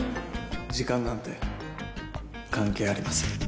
時間なんて関係ありません。